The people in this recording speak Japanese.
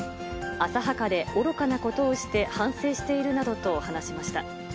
浅はかで愚かなことをして反省しているなどと話しました。